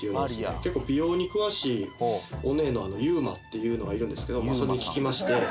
結構美容に詳しいオネエのユーマっていうのがいるんですけどそれに聞きまして。